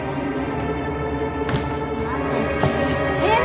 待てって言ってんだろ！